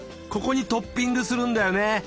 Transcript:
ここにトッピングするんだよね？